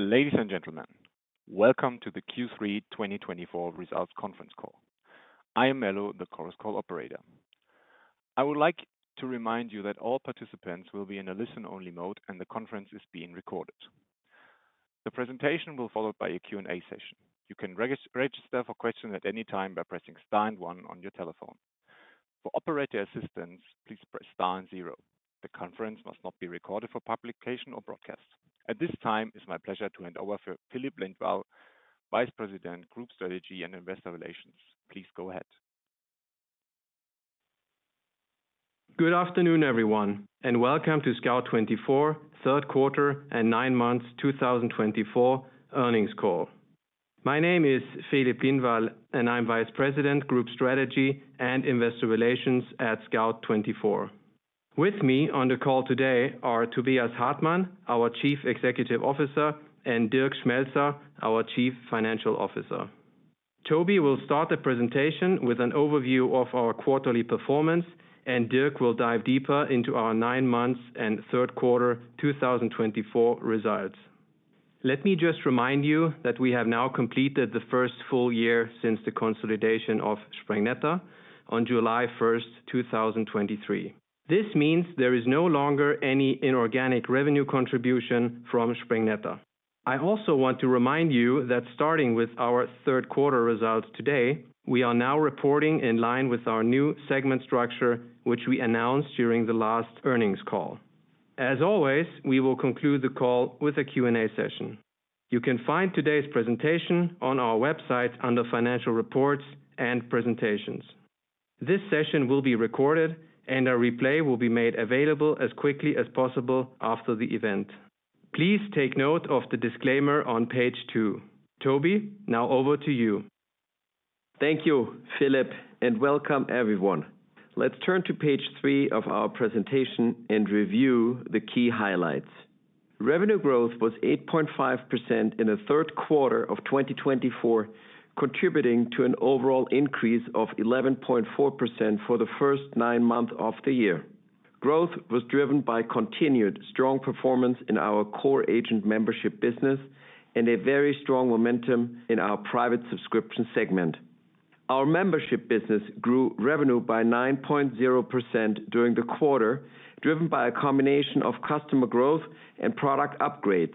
Ladies and gentlemen, welcome to the Q3 2024 results conference call. I am Mello, the Chorus Call operator. I would like to remind you that all participants will be in a listen-only mode and the conference is being recorded. The presentation will follow by a Q&A session. You can register for questions at any time by pressing Star and 1 on your telephone. For operator assistance, please press Star and 0. The conference must not be recorded for publication or broadcast. At this time, it is my pleasure to hand over to Filip Lindvall, Vice President, Group Strategy and Investor Relations. Please go ahead. Good afternoon, everyone, and welcome to Scout24 Third Quarter and Nine Months 2024 earnings call. My name is Filip Lindvall, and I'm Vice President, Group Strategy and Investor Relations at Scout24. With me on the call today are Tobias Hartmann, our Chief Executive Officer, and Dirk Schmelzer, our Chief Financial Officer. Toby will start the presentation with an overview of our quarterly performance, and Dirk will dive deeper into our nine months and third-quarter 2024 results. Let me just remind you that we have now completed the first full year since the consolidation of Sprengnetter on July 1st, 2023. This means there is no longer any inorganic revenue contribution from Sprengnetter. I also want to remind you that starting with our third quarter results today, we are now reporting in line with our new segment structure, which we announced during the last earnings call. As always, we will conclude the call with a Q&A session. You can find today's presentation on our website under Financial Reports and Presentations. This session will be recorded, and a replay will be made available as quickly as possible after the event. Please take note of the disclaimer on page two. Toby, now over to you. Thank you, Filip, and welcome everyone. Let's turn to page three of our presentation and review the key highlights. Revenue growth was 8.5% in the third quarter of 2024, contributing to an overall increase of 11.4% for the first nine months of the year. Growth was driven by continued strong performance in our core agent membership business and a very strong momentum in our private subscription segment. Our membership business grew revenue by 9.0% during the quarter, driven by a combination of customer growth and product upgrades.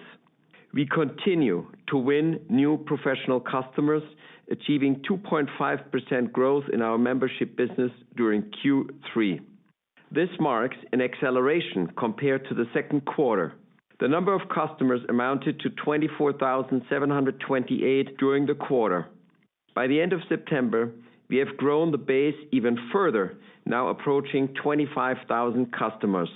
We continue to win new professional customers, achieving 2.5% growth in our membership business during Q3. This marks an acceleration compared to the second quarter. The number of customers amounted to 24,728 during the quarter. By the end of September, we have grown the base even further, now approaching 25,000 customers.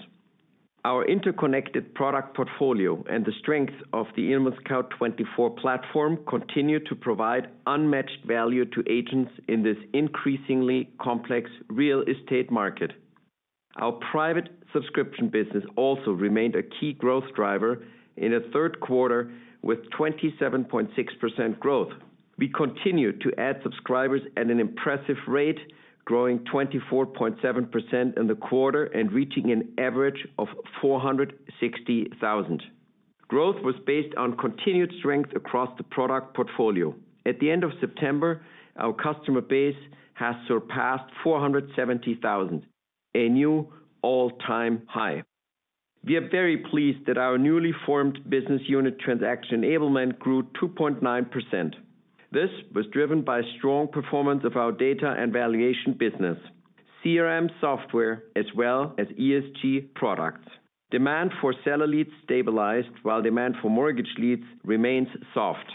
Our interconnected product portfolio and the strength of the ImmoScout24 platform continue to provide unmatched value to agents in this increasingly complex real estate market. Our private subscription business also remained a key growth driver in the third quarter with 27.6% growth. We continue to add subscribers at an impressive rate, growing 24.7% in the quarter and reaching an average of 460,000. Growth was based on continued strength across the product portfolio. At the end of September, our customer base has surpassed 470,000, a new all-time high. We are very pleased that our newly formed business unit transaction enablement grew 2.9%. This was driven by strong performance of our data and valuation business, CRM software as well as ESG products. Demand for seller leads stabilized while demand for mortgage leads remains soft.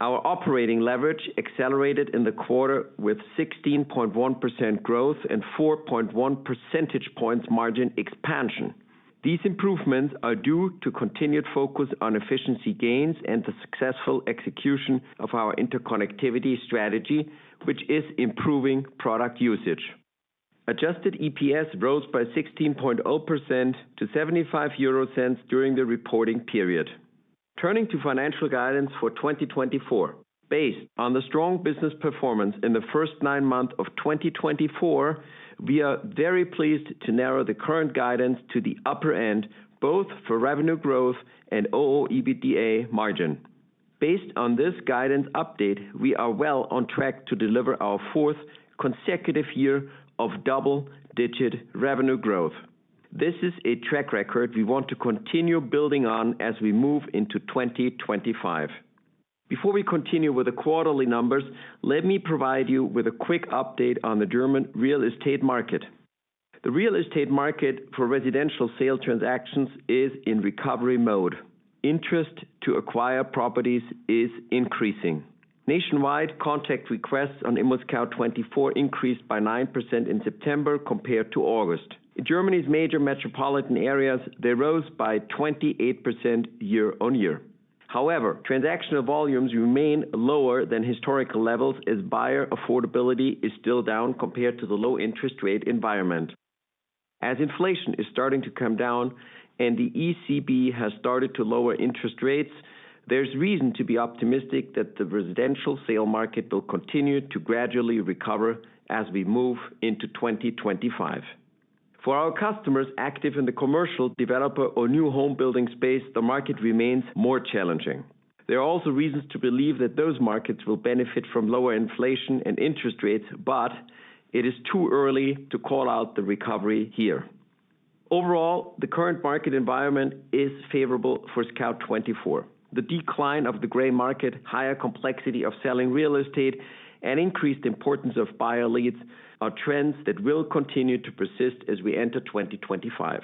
Our operating leverage accelerated in the quarter with 16.1% growth and 4.1 percentage points margin expansion. These improvements are due to continued focus on efficiency gains and the successful execution of our interconnectivity strategy, which is improving product usage. Adjusted EPS rose by 16.0% to 0.75 during the reporting period. Turning to financial guidance for 2024, based on the strong business performance in the first nine months of 2024, we are very pleased to narrow the current guidance to the upper end both for revenue growth and ooEBITDA margin. Based on this guidance update, we are well on track to deliver our fourth consecutive year of double-digit revenue growth. This is a track record we want to continue building on as we move into 2025. Before we continue with the quarterly numbers, let me provide you with a quick update on the German real estate market. The real estate market for residential sale transactions is in recovery mode. Interest to acquire properties is increasing. Nationwide, contact requests on ImmoScout24 increased by 9% in September compared to August. In Germany's major metropolitan areas, they rose by 28% year-on-year. However, transactional volumes remain lower than historical levels as buyer affordability is still down compared to the low interest rate environment. As inflation is starting to come down and the ECB has started to lower interest rates, there's reason to be optimistic that the residential sale market will continue to gradually recover as we move into 2025. For our customers active in the commercial, developer, or new home building space, the market remains more challenging. There are also reasons to believe that those markets will benefit from lower inflation and interest rates, but it is too early to call out the recovery here. Overall, the current market environment is favorable for Scout24. The decline of the gray market, higher complexity of selling real estate, and increased importance of buyer leads are trends that will continue to persist as we enter 2025.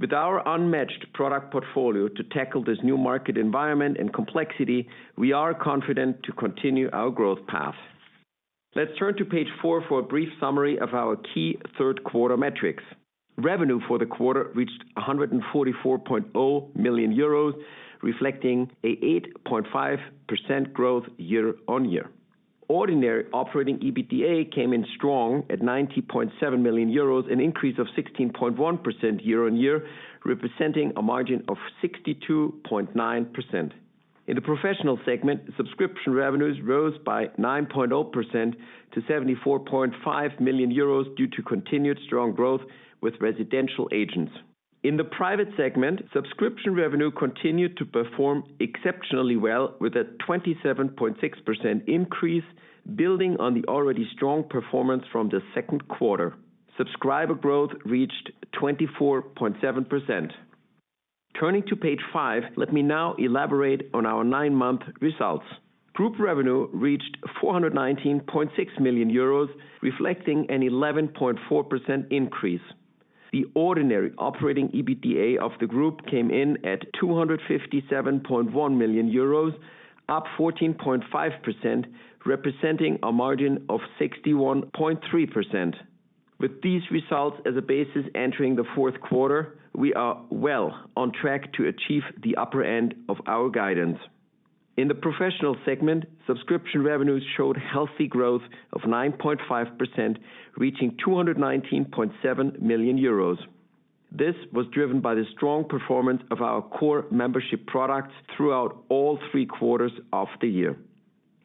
With our unmatched product portfolio to tackle this new market environment and complexity, we are confident to continue our growth path. Let's turn to page four for a brief summary of our key third quarter metrics. Revenue for the quarter reached 144.0 million euros, reflecting an 8.5% growth year on year. Ordinary operating EBITDA came in strong at 90.7 million euros, an increase of 16.1% year on year, representing a margin of 62.9%. In the professional segment, subscription revenues rose by 9.0% to 74.5 million euros due to continued strong growth with residential agents. In the private segment, subscription revenue continued to perform exceptionally well with a 27.6% increase, building on the already strong performance from the second quarter. Subscriber growth reached 24.7%. Turning to page five, let me now elaborate on our nine-month results. Group revenue reached 419.6 million euros, reflecting an 11.4% increase. The ordinary operating EBITDA of the group came in at 257.1 million euros, up 14.5%, representing a margin of 61.3%. With these results as a basis entering the fourth quarter, we are well on track to achieve the upper end of our guidance. In the professional segment, subscription revenues showed healthy growth of 9.5%, reaching 219.7 million euros. This was driven by the strong performance of our core membership products throughout all three quarters of the year.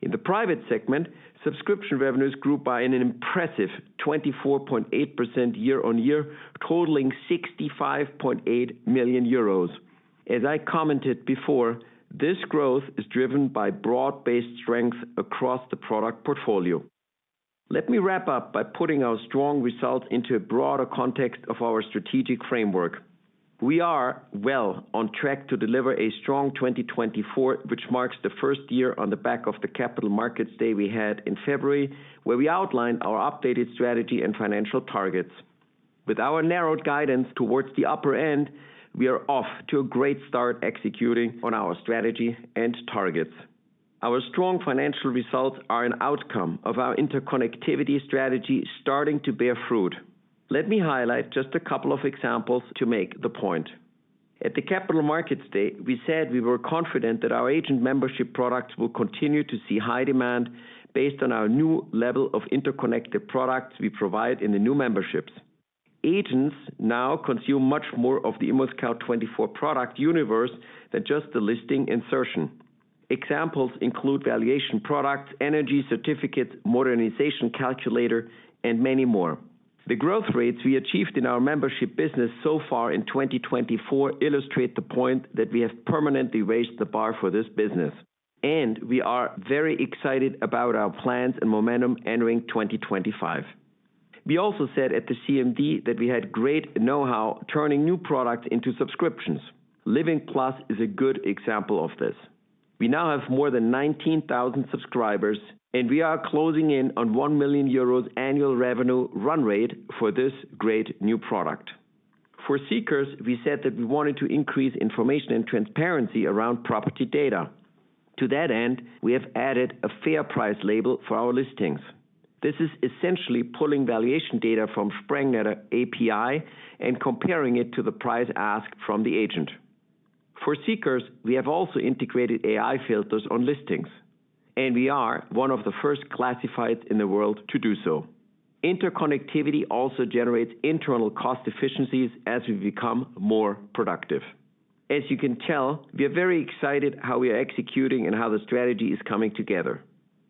In the private segment, subscription revenues grew by an impressive 24.8% year on year, totaling 65.8 million euros. As I commented before, this growth is driven by broad-based strength across the product portfolio. Let me wrap up by putting our strong results into a broader context of our strategic framework. We are well on track to deliver a strong 2024, which marks the first year on the back of the Capital Markets Day we had in February, where we outlined our updated strategy and financial targets. With our narrowed guidance towards the upper end, we are off to a great start executing on our strategy and targets. Our strong financial results are an outcome of our interconnectivity strategy starting to bear fruit. Let me highlight just a couple of examples to make the point. At the Capital Markets Day, we said we were confident that our agent membership products will continue to see high demand based on our new level of interconnected products we provide in the new memberships. Agents now consume much more of the ImmoScout24 product universe than just the listing insertion. Examples include valuation products, energy certificates, modernization calculator, and many more. The growth rates we achieved in our membership business so far in 2024 illustrate the point that we have permanently raised the bar for this business, and we are very excited about our plans and momentum entering 2025. We also said at the CMD that we had great know-how turning new products into subscriptions. LivingPlus is a good example of this. We now have more than 19,000 subscribers, and we are closing in on 1 million euros annual revenue run rate for this great new product. For seekers, we said that we wanted to increase information and transparency around property data. To that end, we have added a fair price label for our listings. This is essentially pulling valuation data from Sprengnetter API and comparing it to the price asked from the agent. For seekers, we have also integrated AI filters on listings, and we are one of the first classifieds in the world to do so. Interconnectivity also generates internal cost efficiencies as we become more productive. As you can tell, we are very excited how we are executing and how the strategy is coming together.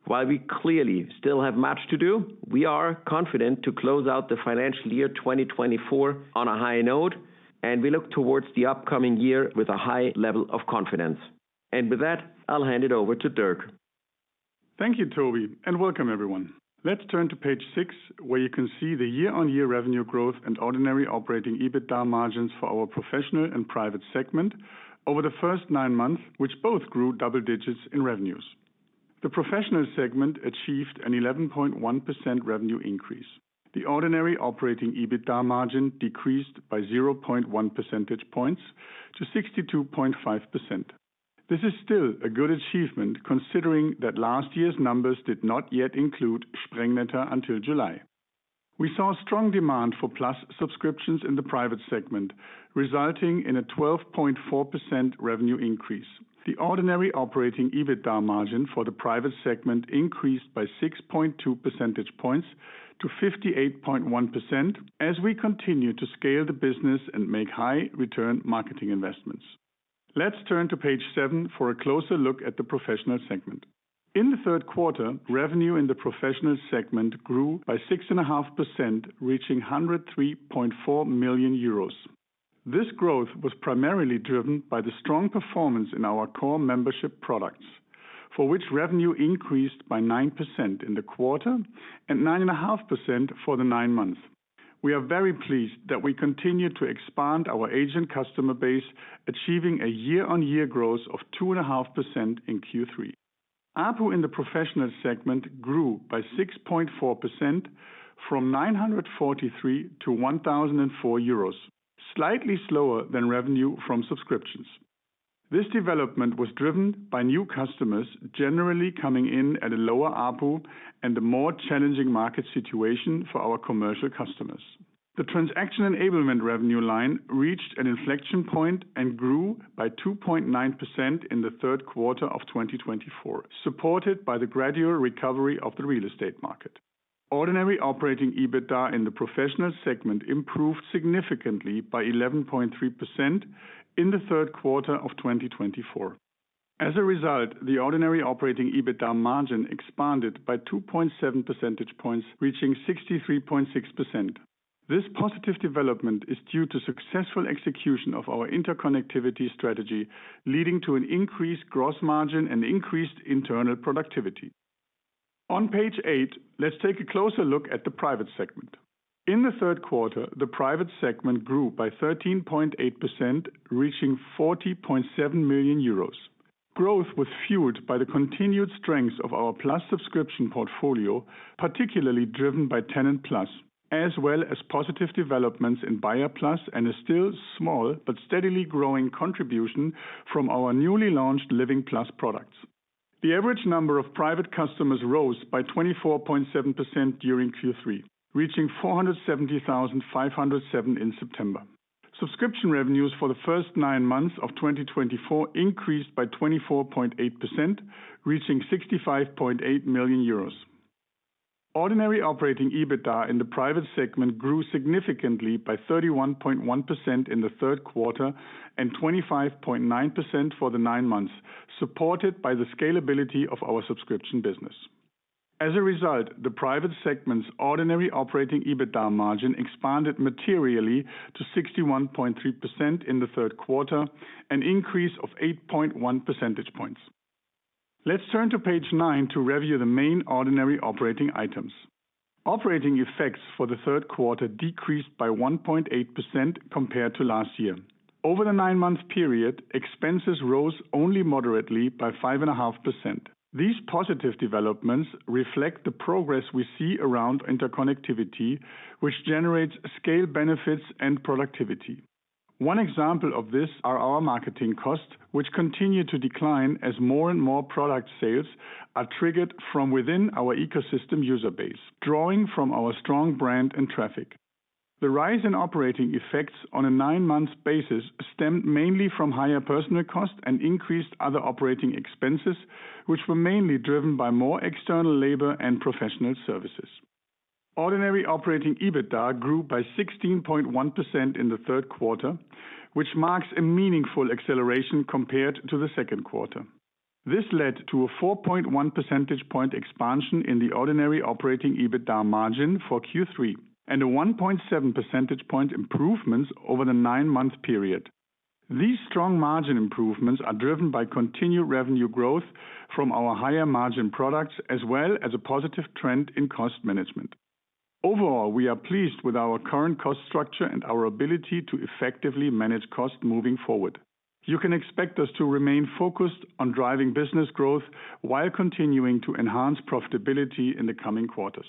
While we clearly still have much to do, we are confident to close out the financial year 2024 on a high note, and we look towards the upcoming year with a high level of confidence, and with that, I'll hand it over to Dirk. Thank you, Toby, and welcome everyone. Let's turn to page six, where you can see the year-on-year revenue growth and ordinary operating EBITDA margins for our professional and private segment over the first nine months, which both grew double digits in revenues. The professional segment achieved an 11.1% revenue increase. The ordinary operating EBITDA margin decreased by 0.1 percentage points to 62.5%. This is still a good achievement considering that last year's numbers did not yet include Sprengnetter until July. We saw strong demand for Plus subscriptions in the private segment, resulting in a 12.4% revenue increase. The ordinary operating EBITDA margin for the private segment increased by 6.2 percentage points to 58.1% as we continue to scale the business and make high-return marketing investments. Let's turn to page 7 for a closer look at the professional segment. In the third quarter, revenue in the professional segment grew by 6.5%, reaching 103.4 million euros. This growth was primarily driven by the strong performance in our core membership products, for which revenue increased by 9% in the quarter and 9.5% for the nine months. We are very pleased that we continue to expand our agent customer base, achieving a year-on-year growth of 2.5% in Q3. ARPU in the professional segment grew by 6.4% from 943 to 1,004 euros, slightly slower than revenue from subscriptions. This development was driven by new customers generally coming in at a lower ARPU and a more challenging market situation for our commercial customers. The transaction enablement revenue line reached an inflection point and grew by 2.9% in the third quarter of 2024, supported by the gradual recovery of the real estate market. Ordinary operating EBITDA in the professional segment improved significantly by 11.3% in the third quarter of 2024. As a result, the ordinary operating EBITDA margin expanded by 2.7 percentage points, reaching 63.6%. This positive development is due to successful execution of our interconnectivity strategy, leading to an increased gross margin and increased internal productivity. On page eight, let's take a closer look at the private segment. In the third quarter, the private segment grew by 13.8%, reaching 40.7 million euros. Growth was fueled by the continued strength of our Plus subscription portfolio, particularly driven by TenantPlus, as well as positive developments in BuyerPlus and a still small but steadily growing contribution from our newly launched LivingPlus products. The average number of private customers rose by 24.7% during Q3, reaching 470,507 in September. Subscription revenues for the first nine months of 2024 increased by 24.8%, reaching 65.8 million euros. Ordinary operating EBITDA in the private segment grew significantly by 31.1% in the third quarter and 25.9% for the nine months, supported by the scalability of our subscription business. As a result, the private segment's ordinary operating EBITDA margin expanded materially to 61.3% in the third quarter, an increase of 8.1 percentage points. Let's turn to page nine to review the main ordinary operating items. Operating effects for the third quarter decreased by 1.8% compared to last year. Over the nine-month period, expenses rose only moderately by 5.5%. These positive developments reflect the progress we see around interconnectivity, which generates scale benefits and productivity. One example of this is our marketing costs, which continue to decline as more and more product sales are triggered from within our ecosystem user base, drawing from our strong brand and traffic. The rise in operating expenses on a nine-month basis stemmed mainly from higher personnel costs and increased other operating expenses, which were mainly driven by more external labor and professional services. Ordinary operating EBITDA grew by 16.1% in the third quarter, which marks a meaningful acceleration compared to the second quarter. This led to a 4.1 percentage point expansion in the ordinary operating EBITDA margin for Q3 and a 1.7 percentage point improvement over the nine-month period. These strong margin improvements are driven by continued revenue growth from our higher margin products, as well as a positive trend in cost management. Overall, we are pleased with our current cost structure and our ability to effectively manage costs moving forward. You can expect us to remain focused on driving business growth while continuing to enhance profitability in the coming quarters.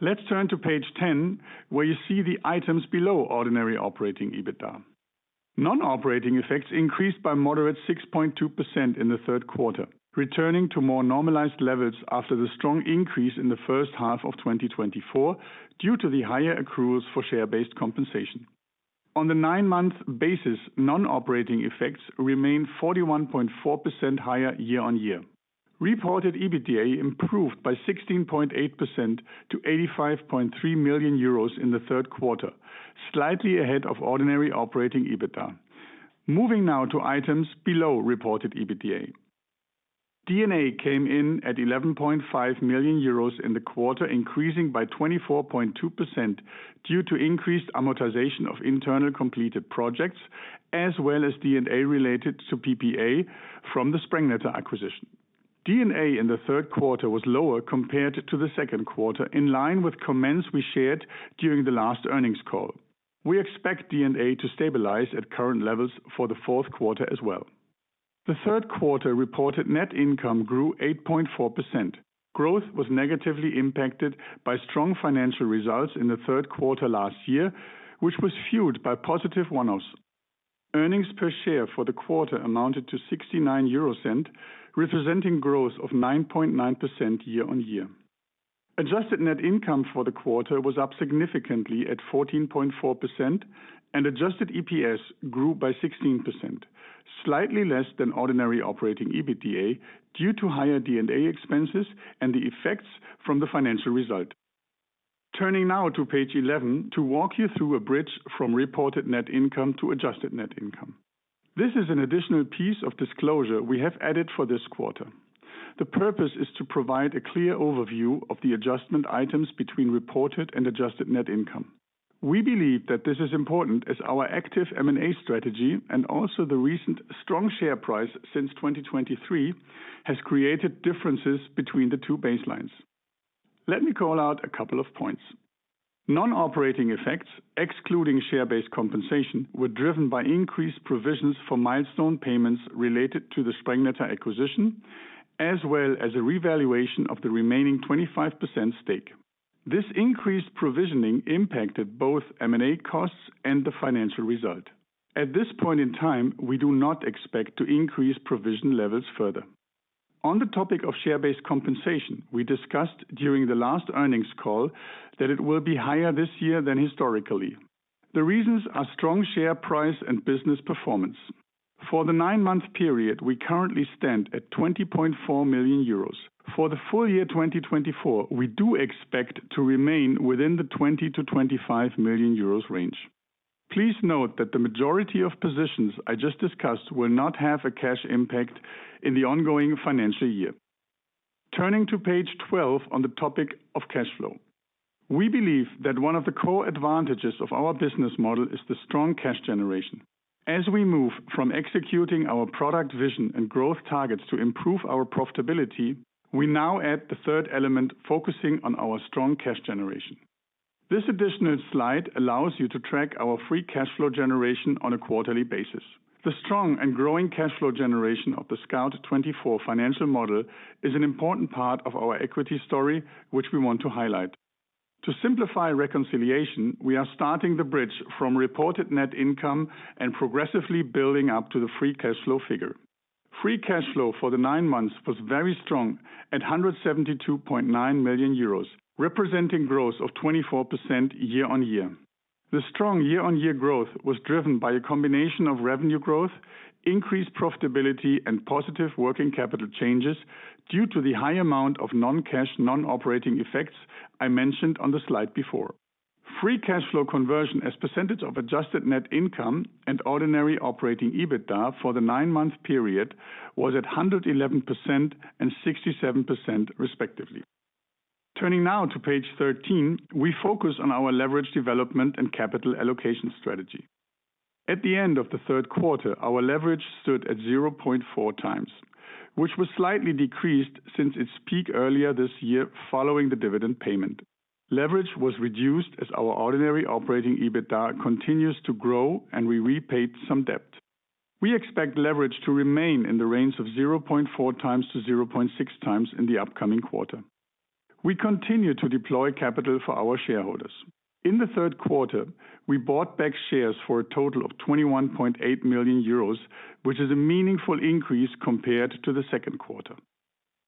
Let's turn to page 10, where you see the items below ordinary operating EBITDA. Non-operating effects increased by moderate 6.2% in the third quarter, returning to more normalized levels after the strong increase in the first half of 2024 due to the higher accruals for share-based compensation. On the nine-month basis, non-operating effects remain 41.4% higher year on year. Reported EBITDA improved by 16.8% to 85.3 million euros in the third quarter, slightly ahead of ordinary operating EBITDA. Moving now to items below reported EBITDA. D&A came in at 11.5 million euros in the quarter, increasing by 24.2% due to increased amortization of internal completed projects, as well as D&A related to PPA from the Sprengnetter acquisition. D&A in the third quarter was lower compared to the second quarter, in line with comments we shared during the last earnings call. We expect D&A to stabilize at current levels for the fourth quarter as well. The third quarter reported net income grew 8.4%. Growth was negatively impacted by strong financial results in the third quarter last year, which was fueled by positive one-offs. Earnings per share for the quarter amounted to 0.69, representing growth of 9.9% year on year. Adjusted net income for the quarter was up significantly at 14.4%, and adjusted EPS grew by 16%, slightly less than ordinary operating EBITDA due to higher D&A expenses and the effects from the financial result. Turning now to page 11 to walk you through a bridge from reported net income to adjusted net income. This is an additional piece of disclosure we have added for this quarter. The purpose is to provide a clear overview of the adjustment items between reported and adjusted net income. We believe that this is important as our active M&A strategy and also the recent strong share price since 2023 has created differences between the two baselines. Let me call out a couple of points. Non-operating effects, excluding share-based compensation, were driven by increased provisions for milestone payments related to the Sprengnetter acquisition, as well as a revaluation of the remaining 25% stake. This increased provisioning impacted both M&A costs and the financial result. At this point in time, we do not expect to increase provision levels further. On the topic of share-based compensation, we discussed during the last earnings call that it will be higher this year than historically. The reasons are strong share price and business performance. For the nine-month period, we currently stand at 20.4 million euros. For the full year 2024, we do expect to remain within the 20-25 million euros range. Please note that the majority of positions I just discussed will not have a cash impact in the ongoing financial year. Turning to page 12 on the topic of cash flow. We believe that one of the core advantages of our business model is the strong cash generation. As we move from executing our product vision and growth targets to improve our profitability, we now add the third element focusing on our strong cash generation. This additional slide allows you to track our free cash flow generation on a quarterly basis. The strong and growing cash flow generation of the Scout24 financial model is an important part of our equity story, which we want to highlight. To simplify reconciliation, we are starting the bridge from reported net income and progressively building up to the free cash flow figure. Free cash flow for the nine months was very strong at 172.9 million euros, representing growth of 24% year on year. The strong year-on-year growth was driven by a combination of revenue growth, increased profitability, and positive working capital changes due to the high amount of non-cash non-operating effects I mentioned on the slide before. Free cash flow conversion as percentage of adjusted net income and ordinary operating EBITDA for the nine-month period was at 111% and 67% respectively. Turning now to page 13, we focus on our leverage development and capital allocation strategy. At the end of the third quarter, our leverage stood at 0.4 times, which was slightly decreased since its peak earlier this year following the dividend payment. Leverage was reduced as our ordinary operating EBITDA continues to grow and we repaid some debt. We expect leverage to remain in the range of 0.4-0.6 times in the upcoming quarter. We continue to deploy capital for our shareholders. In the third quarter, we bought back shares for a total of 21.8 million euros, which is a meaningful increase compared to the second quarter.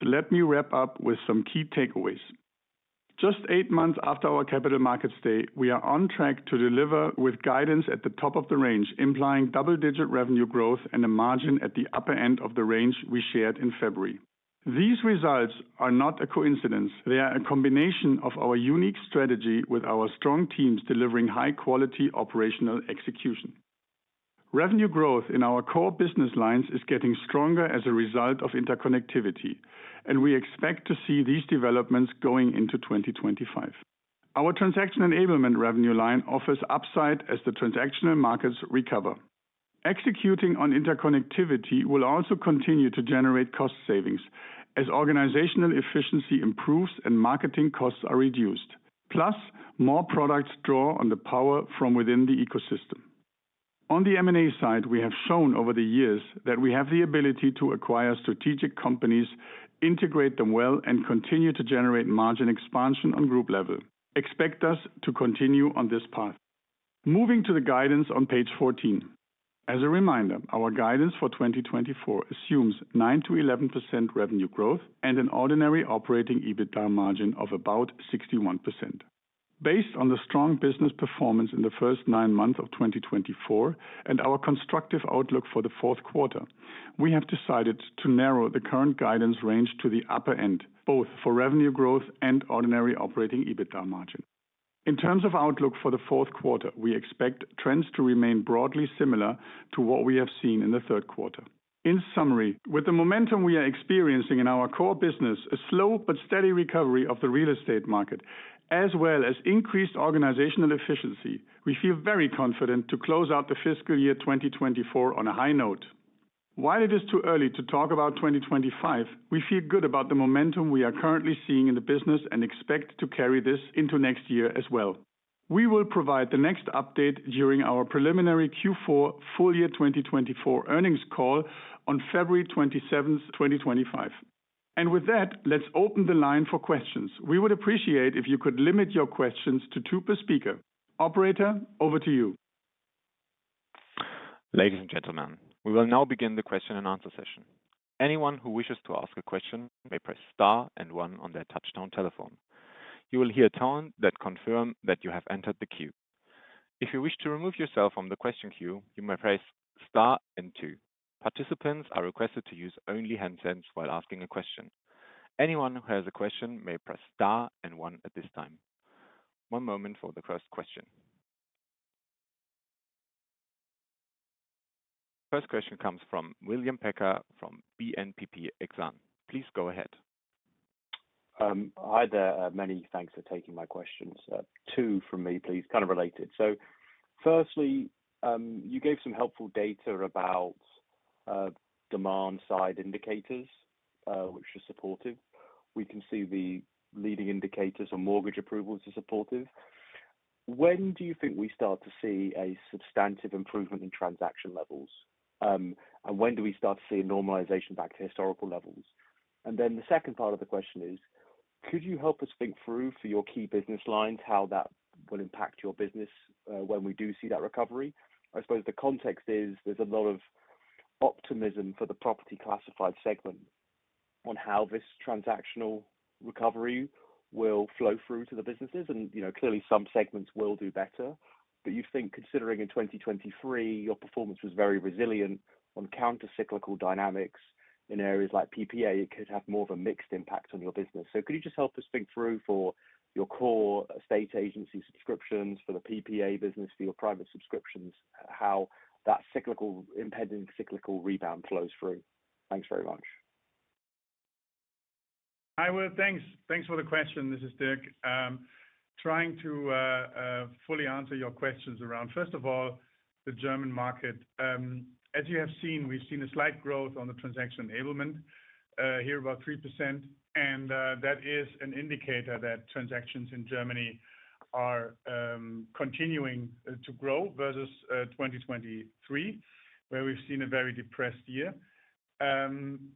Let me wrap up with some key takeaways. Just eight months after our Capital Markets Day, we are on track to deliver with guidance at the top of the range, implying double-digit revenue growth and a margin at the upper end of the range we shared in February. These results are not a coincidence. They are a combination of our unique strategy with our strong teams delivering high-quality operational execution. Revenue growth in our core business lines is getting stronger as a result of interconnectivity, and we expect to see these developments going into 2025. Our transaction enablement revenue line offers upside as the transactional markets recover. Executing on interconnectivity will also continue to generate cost savings as organizational efficiency improves and marketing costs are reduced. Plus, more products draw on the power from within the ecosystem. On the M&A side, we have shown over the years that we have the ability to acquire strategic companies, integrate them well, and continue to generate margin expansion on group level. Expect us to continue on this path. Moving to the guidance on page 14. As a reminder, our guidance for 2024 assumes 9%-11% revenue growth and an ordinary operating EBITDA margin of about 61%. Based on the strong business performance in the first nine months of 2024 and our constructive outlook for the fourth quarter, we have decided to narrow the current guidance range to the upper end, both for revenue growth and ordinary operating EBITDA margin. In terms of outlook for the fourth quarter, we expect trends to remain broadly similar to what we have seen in the third quarter. In summary, with the momentum we are experiencing in our core business, a slow but steady recovery of the real estate market, as well as increased organizational efficiency, we feel very confident to close out the fiscal year 2024 on a high note. While it is too early to talk about 2025, we feel good about the momentum we are currently seeing in the business and expect to carry this into next year as well. We will provide the next update during our preliminary Q4 full year 2024 earnings call on February 27, 2025. And with that, let's open the line for questions. We would appreciate if you could limit your questions to two per speaker. Operator, over to you. Ladies and gentlemen, we will now begin the question and answer session. Anyone who wishes to ask a question may press star and one on their touch-tone telephone. You will hear a tone that confirms that you have entered the queue. If you wish to remove yourself from the question queue, you may press star and two. Participants are requested to use only handsets while asking a question. Anyone who has a question may press star and one at this time. One moment for the first question. The first question comes from William Packer from BNP Paribas Exane. Please go ahead. Hi there. Many thanks for taking my questions. Two from me, please. Kind of related. So firstly, you gave some helpful data about demand side indicators, which are supportive. We can see the leading indicators on mortgage approvals are supportive. When do you think we start to see a substantive improvement in transaction levels? And when do we start to see a normalization back to historical levels? And then the second part of the question is, could you help us think through for your key business lines how that will impact your business when we do see that recovery? I suppose the context is there's a lot of optimism for the property classified segment on how this transactional recovery will flow through to the businesses. And clearly, some segments will do better. But you think considering in 2023, your performance was very resilient on countercyclical dynamics in areas like PPA, it could have more of a mixed impact on your business. So could you just help us think through for your core estate agency subscriptions for the PPA business, for your private subscriptions, how that cyclical impending cyclical rebound flows through? Thanks very much. Hi Will, thanks. Thanks for the question. This is Dirk. Trying to fully answer your questions around, first of all, the German market. As you have seen, we've seen a slight growth on the transaction enablement here, about 3%, and that is an indicator that transactions in Germany are continuing to grow versus 2023, where we've seen a very depressed year.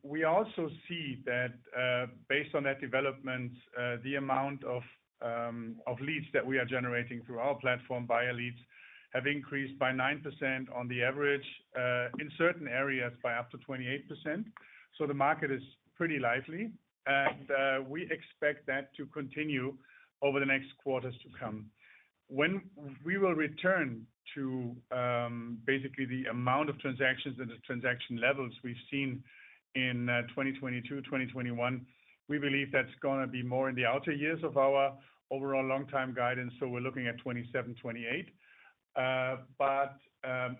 We also see that based on that development, the amount of leads that we are generating through our platform via leads have increased by 9% on the average in certain areas by up to 28%, so the market is pretty lively. And we expect that to continue over the next quarters to come. When we will return to basically the amount of transactions and the transaction levels we've seen in 2022, 2021, we believe that's going to be more in the outer years of our overall long-term guidance, so we're looking at 2027, 2028.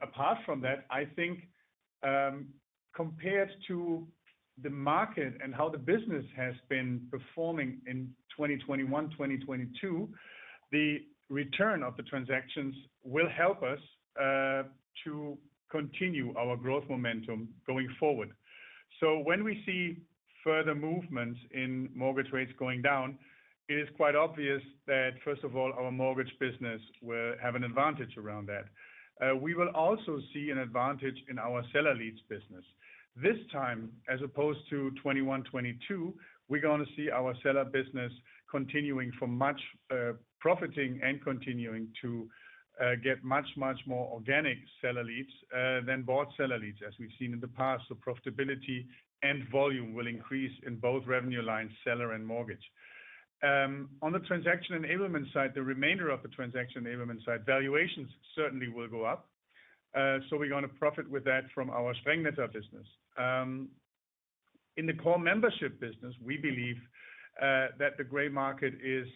Apart from that, I think compared to the market and how the business has been performing in 2021, 2022, the return of the transactions will help us to continue our growth momentum going forward. When we see further movements in mortgage rates going down, it is quite obvious that, first of all, our mortgage business will have an advantage around that. We will also see an advantage in our seller leads business. This time, as opposed to 2021, 2022, we're going to see our seller business continuing for much profiting and continuing to get much, much more organic seller leads than bought seller leads, as we've seen in the past. Profitability and volume will increase in both revenue lines, seller and mortgage. On the transaction enablement side, the remainder of the transaction enablement side, valuations certainly will go up. So we're going to profit with that from our Sprengnetter business. In the core membership business, we believe that the gray market is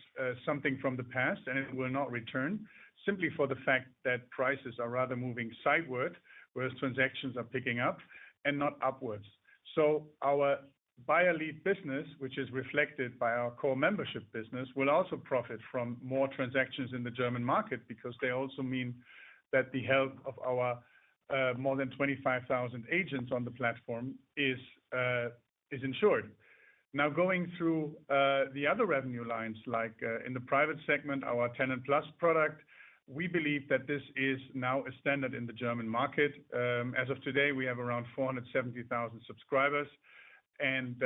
something from the past and it will not return, simply for the fact that prices are rather moving sidewards, whereas transactions are picking up and not upwards. So our buyer lead business, which is reflected by our core membership business, will also profit from more transactions in the German market because they also mean that the health of our more than 25,000 agents on the platform is ensured. Now, going through the other revenue lines, like in the private segment, our tenant plus product, we believe that this is now a standard in the German market. As of today, we have around 470,000 subscribers. And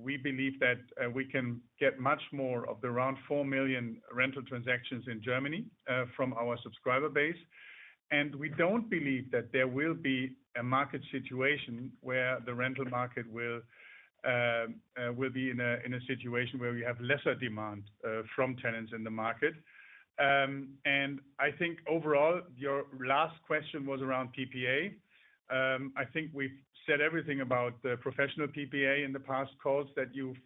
we believe that we can get much more of the around 4 million rental transactions in Germany from our subscriber base. We don't believe that there will be a market situation where the rental market will be in a situation where we have lesser demand from tenants in the market. I think overall, your last question was around PPA. I think we've said everything about the professional PPA in the past calls that you've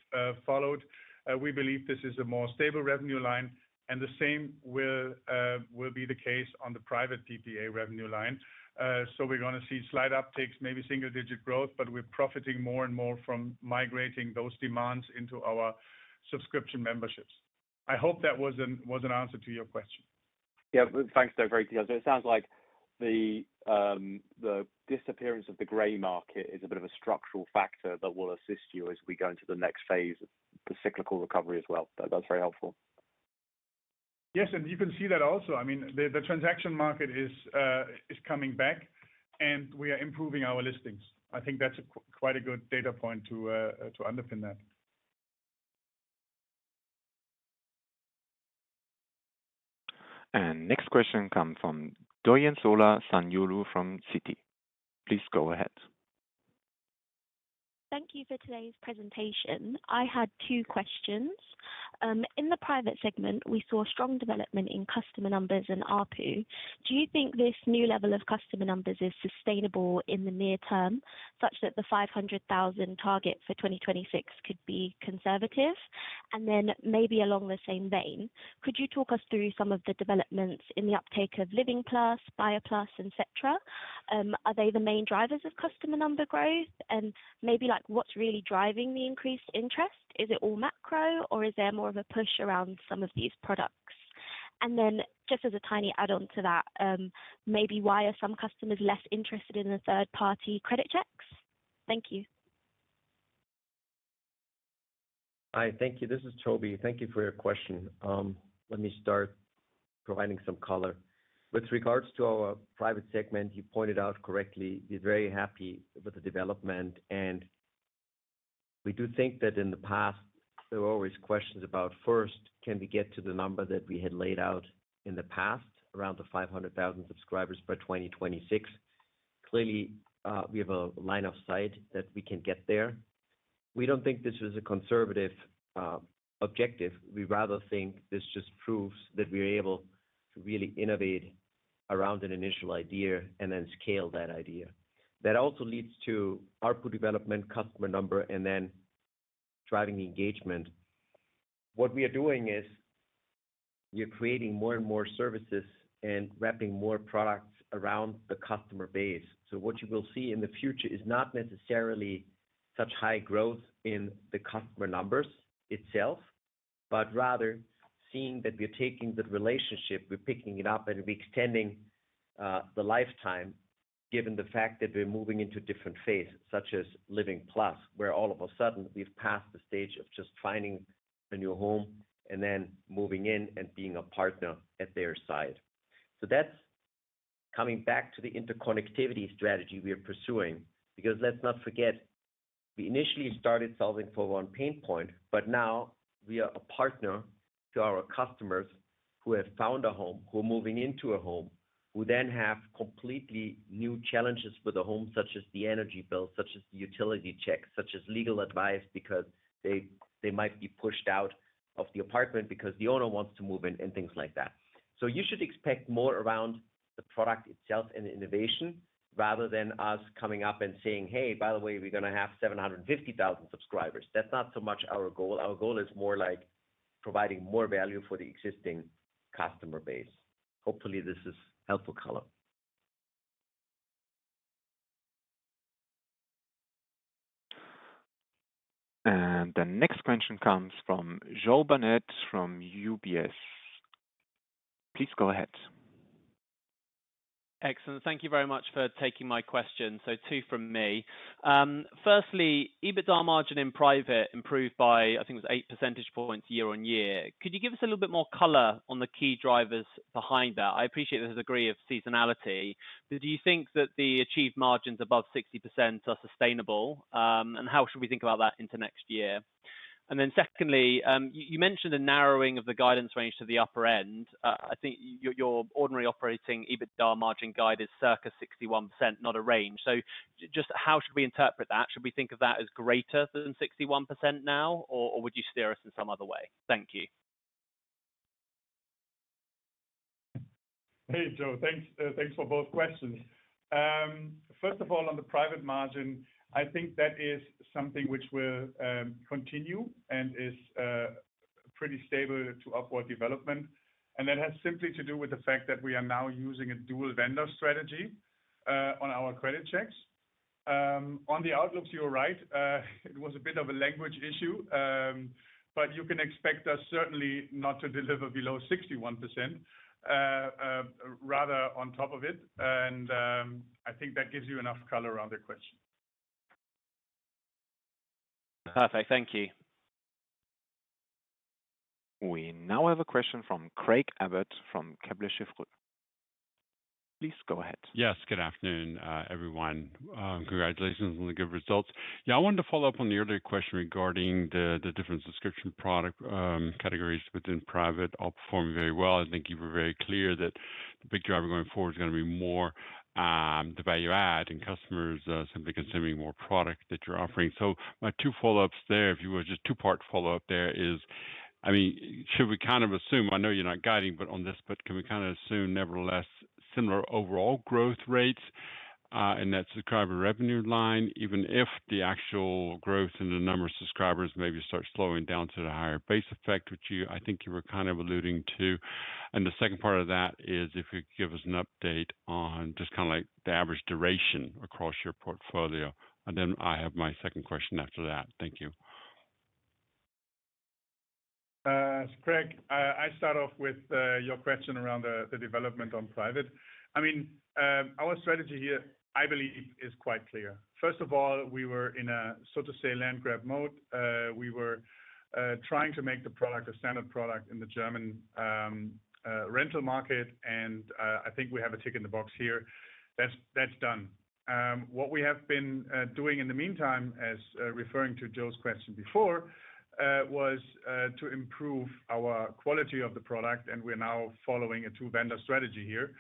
followed. We believe this is a more stable revenue line. The same will be the case on the private PPA revenue line. We're going to see slight uptakes, maybe single-digit growth, but we're profiting more and more from migrating those demands into our subscription memberships. I hope that was an answer to your question. Yeah, thanks, very detailed. It sounds like the disappearance of the gray market is a bit of a structural factor that will assist you as we go into the next phase of the cyclical recovery as well. That's very helpful. Yes, and you can see that also. I mean, the transaction market is coming back and we are improving our listings. I think that's quite a good data point to underpin that. And next question comes from Doyinsola Sanyaolu from Citi. Please go ahead. Thank you for today's presentation. I had two questions. In the private segment, we saw strong development in customer numbers in ARPU. Do you think this new level of customer numbers is sustainable in the near term such that the 500,000 target for 2026 could be conservative? And then maybe along the same vein, could you talk us through some of the developments in the uptake of LivingPlus, BuyerPlus, etc.? Are they the main drivers of customer number growth? And maybe what's really driving the increased interest? Is it all macro or is there more of a push around some of these products? And then just as a tiny add-on to that, maybe why are some customers less interested in the third-party credit checks? Thank you. Hi, thank you. This is Toby. Thank you for your question. Let me start providing some color. With regards to our private segment, you pointed out correctly, we're very happy with the development. And we do think that in the past, there were always questions about first, can we get to the number that we had laid out in the past around the 500,000 subscribers by 2026? Clearly, we have a line of sight that we can get there. We don't think this is a conservative objective. We rather think this just proves that we are able to really innovate around an initial idea and then scale that idea. That also leads to ARPU development, customer number, and then driving engagement. What we are doing is we are creating more and more services and wrapping more products around the customer base. So what you will see in the future is not necessarily such high growth in the customer numbers itself, but rather seeing that we are taking the relationship, we're picking it up, and we're extending the lifetime given the fact that we're moving into different phases, such as LivingPlus, where all of a sudden we've passed the stage of just finding a new home and then moving in and being a partner at their side. So that's coming back to the interconnectivity strategy we are pursuing because let's not forget, we initially started solving for one pain point, but now we are a partner to our customers who have found a home, who are moving into a home, who then have completely new challenges for the home, such as the energy bill, such as the utility checks, such as legal advice because they might be pushed out of the apartment because the owner wants to move in and things like that. So you should expect more around the product itself and innovation rather than us coming up and saying, "Hey, by the way, we're going to have 750,000 subscribers." That's not so much our goal. Our goal is more like providing more value for the existing customer base. Hopefully, this is helpful color. And the next question comes from Jo Barnet-Lamb from UBS. Please go ahead. Excellent. Thank you very much for taking my question. So two from me. Firstly, EBITDA margin in private improved by, I think it was 8 percentage points year on year. Could you give us a little bit more color on the key drivers behind that? I appreciate there's a degree of seasonality. Do you think that the achieved margins above 60% are sustainable? And how should we think about that into next year? And then secondly, you mentioned a narrowing of the guidance range to the upper end. I think your ordinary operating EBITDA margin guide is circa 61%, not a range. So just how should we interpret that? Should we think of that as greater than 61% now, or would you steer us in some other way? Thank you. Hey, Joe, thanks for both questions. First of all, on the private margin, I think that is something which will continue and is pretty stable to upward development. And that has simply to do with the fact that we are now using a dual vendor strategy on our credit checks. On the outlook, you're right, it was a bit of a language issue, but you can expect us certainly not to deliver below 61%, rather on top of it. And I think that gives you enough color around the question. Perfect. Thank you. We now have a question from Craig Abbott from Kepler Cheuvreux. Please go ahead. Yes, good afternoon, everyone. Congratulations on the good results. Yeah, I want to follow up on the earlier question regarding the different subscription product categories within private. All performed very well. I think you were very clear that the big driver going forward is going to be more the value add and customers simply consuming more product that you're offering. So my two follow-ups there, if you were just two-part follow-up there is, I mean, should we kind of assume, I know you're not guiding, but on this, but can we kind of assume nevertheless similar overall growth rates in that subscriber revenue line, even if the actual growth in the number of subscribers maybe starts slowing down to the higher base effect, which I think you were kind of alluding to? And the second part of that is if you could give us an update on just kind of like the average duration across your portfolio. And then I have my second question after that. Thank you. It's Craig. I start off with your question around the development on private. I mean, our strategy here, I believe, is quite clear. First of all, we were in a, so to say, land grab mode. We were trying to make the product a standard product in the German rental market. And I think we have a tick in the box here. That's done. What we have been doing in the meantime, as referring to Joe's question before, was to improve our quality of the product. And we're now following a two-vendor strategy here,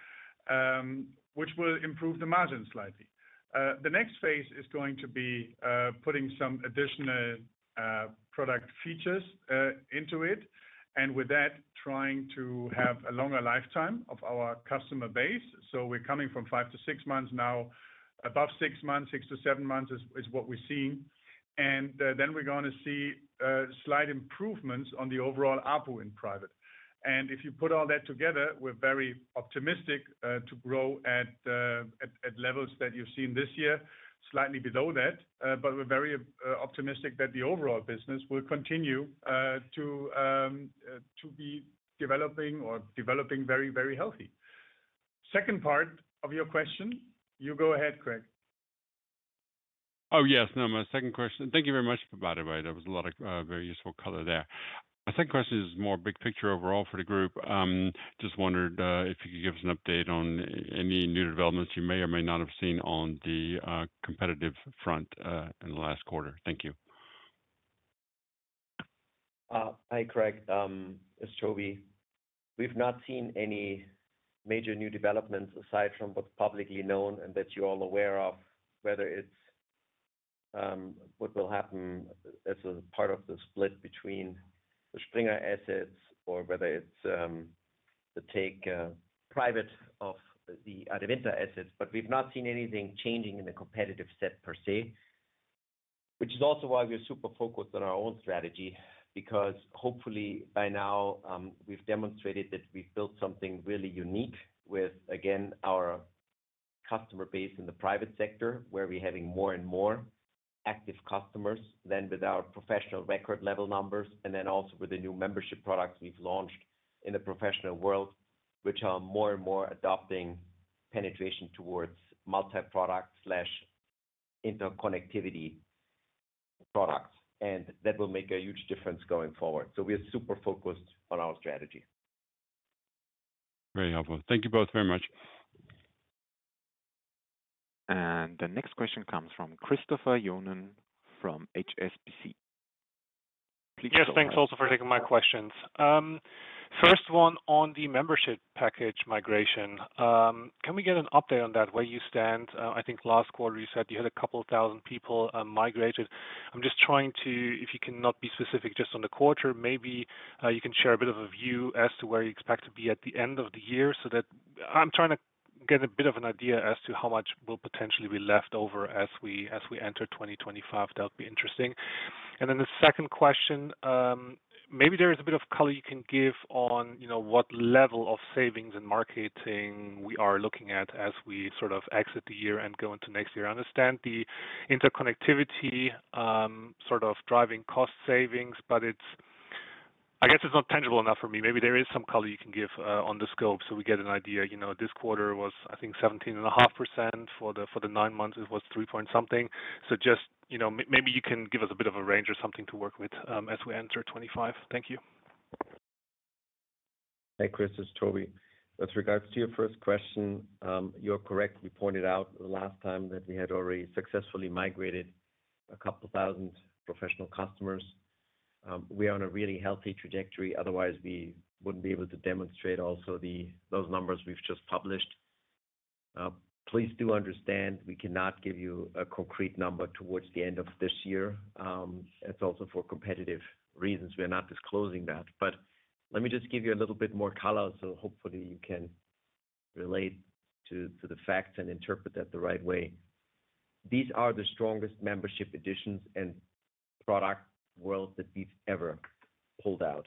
which will improve the margin slightly. The next phase is going to be putting some additional product features into it. And with that, trying to have a longer lifetime of our customer base. So we're coming from five to six months now, above six months, six to seven months is what we're seeing. And then we're going to see slight improvements on the overall ARPU in private. If you put all that together, we're very optimistic to grow at levels that you've seen this year, slightly below that. We're very optimistic that the overall business will continue to be developing or developing very, very healthy. Second part of your question, you go ahead, Craig. Oh, yes. No, my second question. Thank you very much, by the way. That was a lot of very useful color there. My second question is more big picture overall for the group. Just wondered if you could give us an update on any new developments you may or may not have seen on the competitive front in the last quarter. Thank you. Hi, Craig. It's Toby. We've not seen any major new developments aside from what's publicly known and that you're all aware of, whether it's what will happen as a part of the split between the Springer assets or whether it's the take-private of the Adevinta assets, but we've not seen anything changing in the competitive set per se, which is also why we're super focused on our own strategy because hopefully by now we've demonstrated that we've built something really unique with, again, our customer base in the private sector where we're having more and more active customers than without professional record level numbers, and then also with the new membership products we've launched in the professional world, which are more and more adopting penetration towards multi-product slash interconnectivity products, and that will make a huge difference going forward, so we're super focused on our strategy. Very helpful. Thank you both very much. The next question comes from Christopher Johnen from HSBC. Yes, thanks also for taking my questions. First one on the membership package migration. Can we get an update on that? Where you stand? I think last quarter you said you had a couple of thousand people migrated. I'm just trying to, if you can not be specific just on the quarter, maybe you can share a bit of a view as to where you expect to be at the end of the year so that I'm trying to get a bit of an idea as to how much will potentially be left over as we enter 2025. That would be interesting. And then the second question, maybe there is a bit of color you can give on what level of savings and marketing we are looking at as we sort of exit the year and go into next year. I understand the interconnectivity sort of driving cost savings, but I guess it's not tangible enough for me. Maybe there is some color you can give on the scope so we get an idea. This quarter was, I think, 17.5%. For the nine months, it was three point something. So just maybe you can give us a bit of a range or something to work with as we enter 25. Thank you. Hey, Chris, this is Toby. With regards to your first question, you're correct. We pointed out the last time that we had already successfully migrated a couple of thousand professional customers. We are on a really healthy trajectory. Otherwise, we wouldn't be able to demonstrate also those numbers we've just published. Please do understand we cannot give you a concrete number towards the end of this year. It's also for competitive reasons. We are not disclosing that. But let me just give you a little bit more color so hopefully you can relate to the facts and interpret that the right way. These are the strongest membership additions and product world that we've ever pulled out.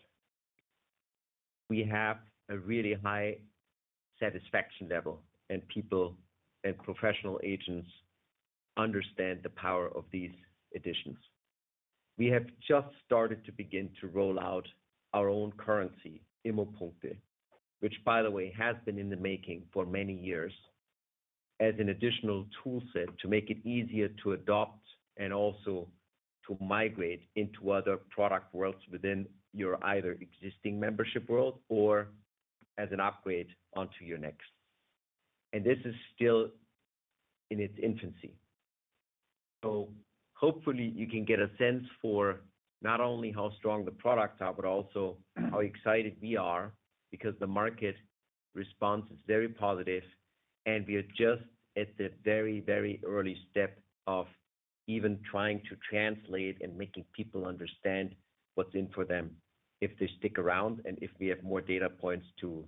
We have a really high satisfaction level, and people and professional agents understand the power of these additions. We have just started to begin to roll out our own currency, Immopunkte, which, by the way, has been in the making for many years as an additional toolset to make it easier to adopt and also to migrate into other product worlds within your either existing membership world or as an upgrade onto your next. And this is still in its infancy. So hopefully you can get a sense for not only how strong the product are, but also how excited we are because the market response is very positive. We are just at the very, very early step of even trying to translate and making people understand what's in for them if they stick around and if we have more data points to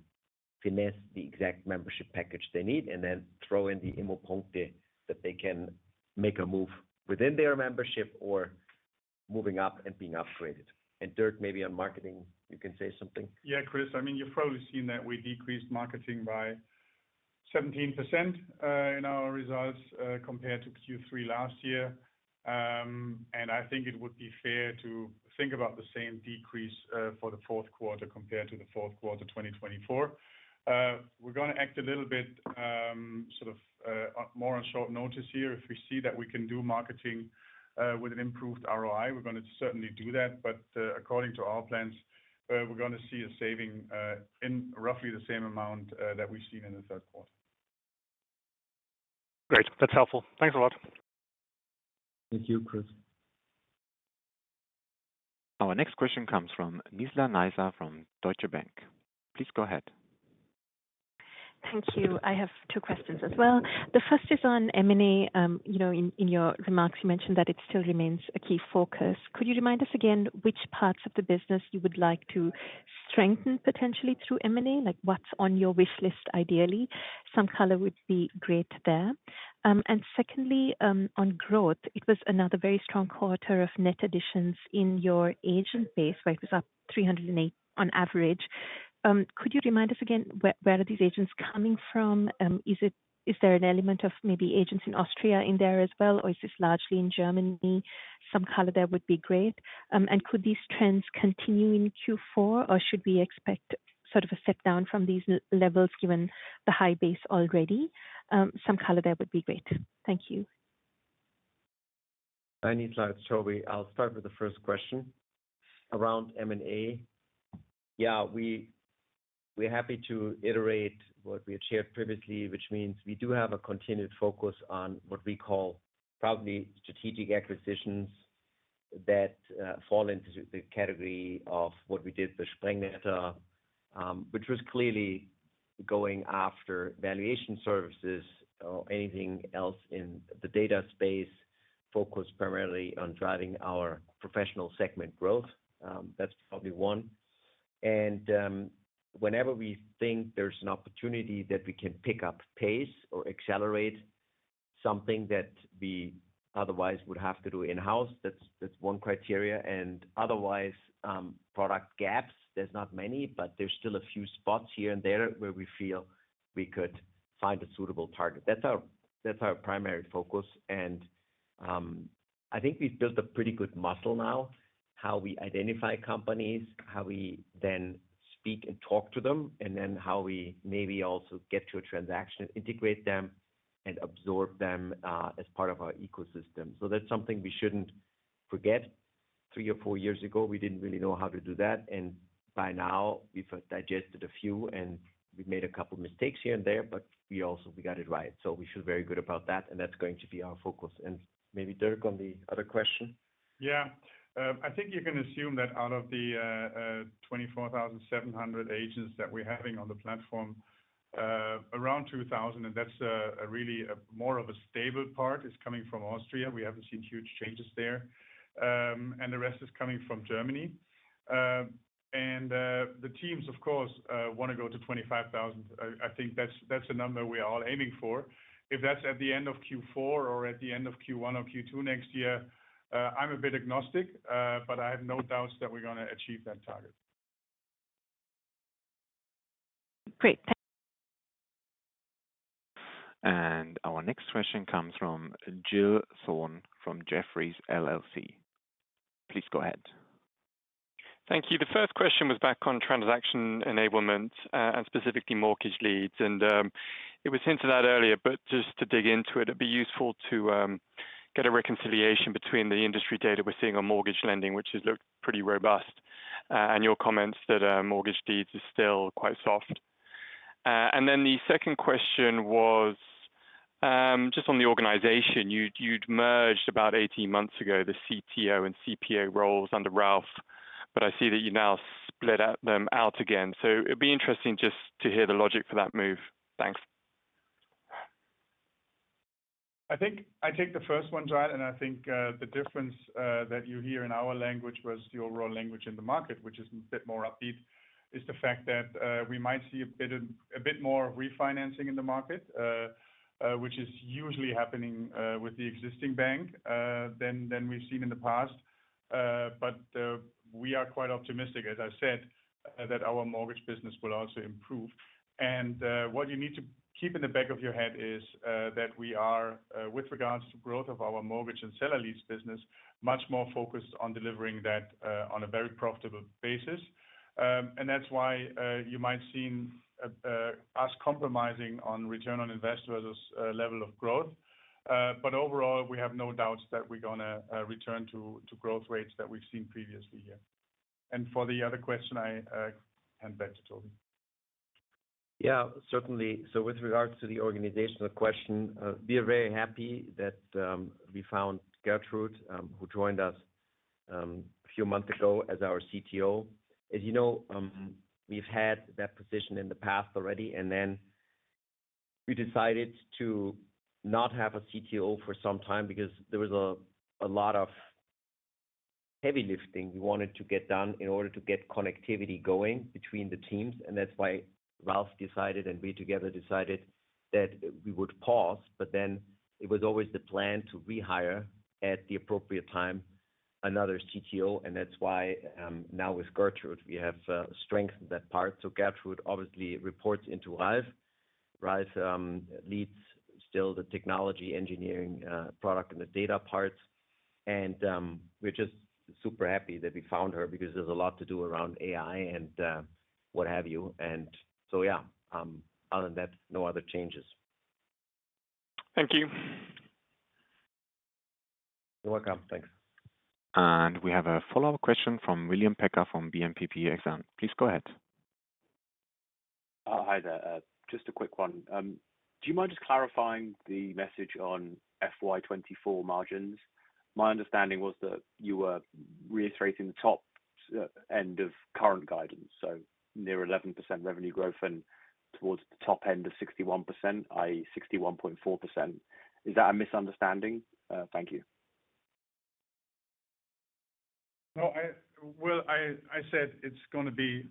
finesse the exact membership package they need and then throw in the Immopunkte that they can make a move within their membership or moving up and being upgraded. Dirk, maybe on marketing, you can say something. Yeah, Chris, I mean, you've probably seen that we decreased marketing by 17% in our results compared to Q3 last year. I think it would be fair to think about the same decrease for the fourth quarter compared to the fourth quarter 2024. We're going to act a little bit sort of more on short notice here. If we see that we can do marketing with an improved ROI, we're going to certainly do that. But according to our plans, we're going to see a saving in roughly the same amount that we've seen in the third quarter. Great. That's helpful. Thanks a lot. Thank you, Chris. Our next question comes from Nizla Naizer from Deutsche Bank. Please go ahead. Thank you. I have two questions as well. The first is on M&A. In your remarks, you mentioned that it still remains a key focus. Could you remind us again which parts of the business you would like to strengthen potentially through M&A? What's on your wish list, ideally? Some color would be great there. And secondly, on growth, it was another very strong quarter of net additions in your agent base where it was up 308 on average. Could you remind us again where are these agents coming from? Is there an element of maybe agents in Austria in there as well, or is this largely in Germany? Some color there would be great. And could these trends continue in Q4, or should we expect sort of a step down from these levels given the high base already? Some color there would be great. Thank you. Any slides, Toby? I'll start with the first question around M&A. Yeah, we're happy to iterate what we had shared previously, which means we do have a continued focus on what we call probably strategic acquisitions that fall into the category of what we did with Sprengnetter, which was clearly going after valuation services or anything else in the data space focused primarily on driving our professional segment growth. That's probably one. And whenever we think there's an opportunity that we can pick up pace or accelerate something that we otherwise would have to do in-house, that's one criteria. And otherwise, product gaps, there's not many, but there's still a few spots here and there where we feel we could find a suitable target. That's our primary focus. And I think we've built a pretty good muscle now, how we identify companies, how we then speak and talk to them, and then how we maybe also get to a transaction, integrate them, and absorb them as part of our ecosystem. So that's something we shouldn't forget. Three or four years ago, we didn't really know how to do that. And by now, we've digested a few, and we've made a couple of mistakes here and there, but we got it right. So we feel very good about that, and that's going to be our focus. And maybe, Dirk, on the other question. Yeah. I think you can assume that out of the 24,700 agents that we're having on the platform, around 2,000, and that's really more of a stable part, is coming from Austria. We haven't seen huge changes there. And the rest is coming from Germany. And the teams, of course, want to go to 25,000. I think that's a number we are all aiming for. If that's at the end of Q4 or at the end of Q1 or Q2 next year, I'm a bit agnostic, but I have no doubts that we're going to achieve that target. Great. And our next question comes from Giles Thorne from Jefferies LLC. Please go ahead. Thank you. The first question was back on transaction enablement and specifically mortgage leads. It was hinted at earlier, but just to dig into it, it'd be useful to get a reconciliation between the industry data we're seeing on mortgage lending, which has looked pretty robust, and your comments that mortgage deeds are still quite soft. The second question was just on the organization. You'd merged about 18 months ago the CTO and CPO roles under Ralf, but I see that you now split them out again. It'd be interesting just to hear the logic for that move. Thanks. I think I take the first one Dirk, and I think the difference that you hear in our language versus the overall language in the market, which is a bit more upbeat, is the fact that we might see a bit more refinancing in the market, which is usually happening with the existing bank than we've seen in the past. But we are quite optimistic, as I said, that our mortgage business will also improve. And what you need to keep in the back of your head is that we are, with regards to growth of our mortgage and seller leads business, much more focused on delivering that on a very profitable basis. And that's why you might see us compromising on return on investor level of growth. But overall, we have no doubts that we're going to return to growth rates that we've seen previously here. And for the other question, I hand back to Toby. Yeah, certainly. So with regards to the organizational question, we are very happy that we found Gertrud, who joined us a few months ago as our CTO. As you know, we've had that position in the past already, and then we decided to not have a CTO for some time because there was a lot of heavy lifting we wanted to get done in order to get connectivity going between the teams, and that's why Ralf decided and we together decided that we would pause, but then it was always the plan to rehire at the appropriate time another CTO, and that's why now with Gertrud, we have strengthened that part, so Gertrud obviously reports into Ralf. Ralf leads still the technology engineering product and the data part, and we're just super happy that we found her because there's a lot to do around AI and what have you, and so, yeah, other than that, no other changes. Thank you. You're welcome. Thanks. And we have a follow-up question from William Packer from BNP Paribas Exane. Please go ahead. Hi, there. Just a quick one. Do you mind just clarifying the message on FY24 margins? My understanding was that you were reiterating the top end of current guidance, so near 11% revenue growth and towards the top end of 61%, i.e., 61.4%. Is that a misunderstanding? Thank you. Well, I said it's going to be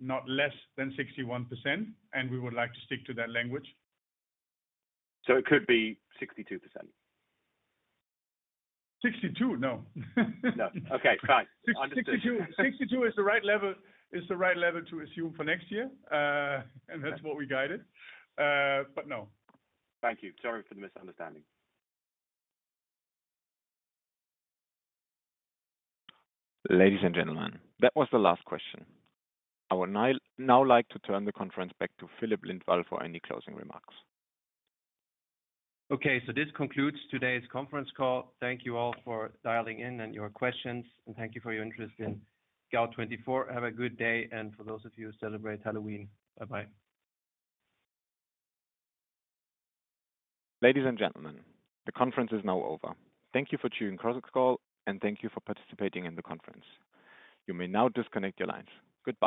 not less than 61%, and we would like to stick to that language. So it could be 62%? 62? No. No. Okay. Fine. Understood. 62 is the right level to assume for next year, and that's what we guided. But no. Thank you. Sorry for the misunderstanding. Ladies and gentlemen, that was the last question. I would now like to turn the conference back to Filip Lindvall for any closing remarks. Okay. So this concludes today's conference call. Thank you all for dialing in and your questions, and thank you for your interest in Scout24. Have a good day, and for those of you who celebrate Halloween, bye-bye. Ladies and gentlemen, the conference is now over. Thank you for choosing Chorus Call, and thank you for participating in the conference. You may now disconnect your lines. Goodbye.